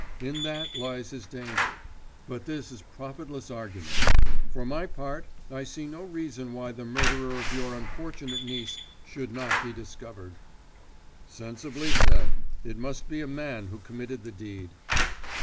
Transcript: In that lies his danger. But this is profitless argument. For my part, I see no reason why the murderer of your unfortunate niece should not be discovered." "Sensibly said. It must be a man who committed the deed."